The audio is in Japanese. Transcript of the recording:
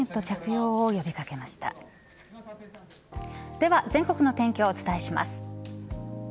では全国のお天気をお伝えします。